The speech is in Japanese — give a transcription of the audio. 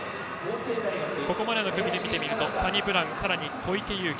ここまでの組で見てみるとサニブラウン、柳田大輝